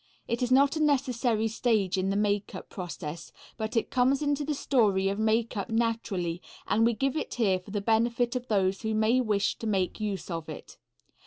It is not a necessary stage in the makeup process, but it comes into the story of makeup naturally and we give it here for the benefit of those who may wish to make use of it.